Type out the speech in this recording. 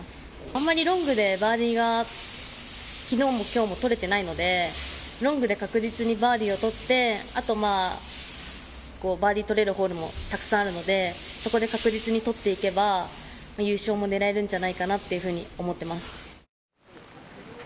あまり、ロングでバーディーが昨日も今日も取れていないのでロングで確実にバーディーを取ってバーディーを取れるホールもたくさんあるのでそこで確実に取っていけば優勝も狙えるんじゃないかなと思っています。